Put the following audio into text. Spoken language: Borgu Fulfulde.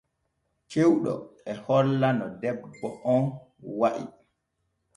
Cewɗo e holla no debbo on wa’i.